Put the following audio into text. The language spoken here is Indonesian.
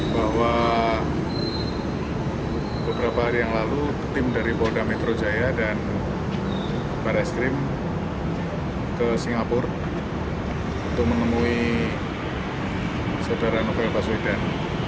bahwa beberapa hari yang lalu tim dari polda metro jaya dan barreskrim ke singapura untuk menemui saudara novel baswedan